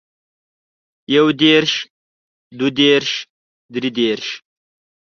يو دېرش دوه دېرش درې دېرش